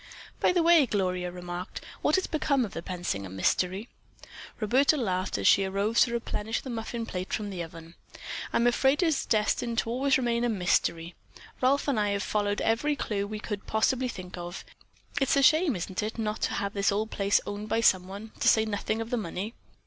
"By the way," Gloria remarked, "what has become of the Pensinger mystery?" Roberta laughed as she arose to replenish the muffin plate from the oven. "I'm afraid it is destined to always remain a mystery. Ralph and I followed every clue we could possibly think of. It's a shame, isn't it, not to have this old place owned by someone, to say nothing of the money."